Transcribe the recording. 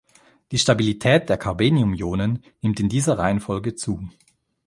Die Stabilität der Carbeniumionen nimmt in dieser Reihenfolge zu.